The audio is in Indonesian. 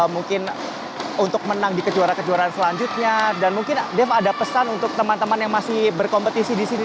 mungkin untuk menang di kejuaraan kejuaraan selanjutnya dan mungkin dev ada pesan untuk teman teman yang masih berkompetisi di sini